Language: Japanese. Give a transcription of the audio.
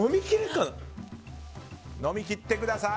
飲み切ってください。